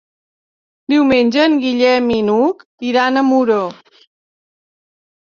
Diumenge en Guillem i n'Hug iran a Muro.